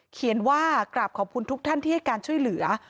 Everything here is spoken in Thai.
เขียนว่ากราบขอบคุณทุกท่านที่ให้การช่วยเหลือ